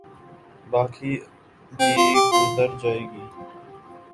باقی بھی گزر جائے گی۔